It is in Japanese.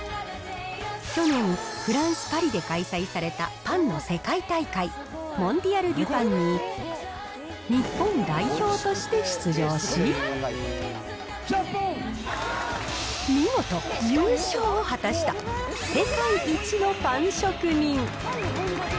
去年、フランス・パリで開催されたパンの世界大会、モンディアル・デュ・パンに日本代表として出場し、見事、優勝を果たした世界一のパン職人。